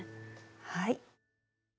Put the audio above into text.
はい。